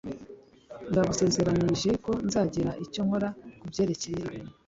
ndagusezeranije ko nzagira icyo nkora kubyerekeye ibintu